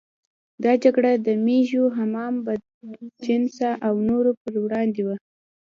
دا جګړه د مېږو، حمام بدجنسه او نورو پر وړاندې وه.